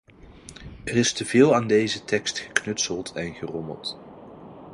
Er is te veel aan deze tekst geknutseld en gerommeld.